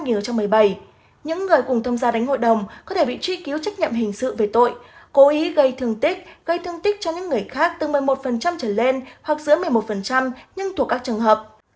những người cùng tham gia đánh hội đồng có thể bị truy cứu trách nhiệm hình sự về tội cố ý gây thương tích gây thương tích cho những người khác từ một mươi một trở lên hoặc dưới một mươi một nhưng thuộc các trường hợp